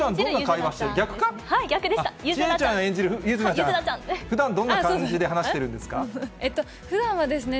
ふだんどんな会話してるんですか？